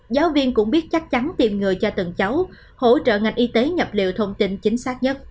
giáo viên cũng biết chắc chắn tìm người cho từng cháu hỗ trợ ngành y tế nhập liệu thông tin chính xác nhất